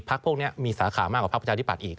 พวกนี้มีสาขามากกว่าพักประชาธิบัตย์อีก